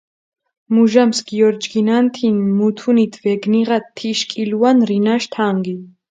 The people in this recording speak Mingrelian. მუჟამს გიორჯგინანთინ, მუთუნით ვეგნიღათ თიშ კილუან რინაშ თანგი.